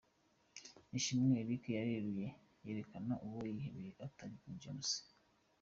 Ishimwe Elcy yareruye yerekana uwo yihebeye utari King James.